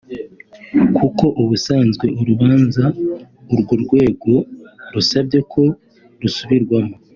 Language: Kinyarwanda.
kuko ubusanzwe urubanza urwo rwego rusabye ko rusubirwamo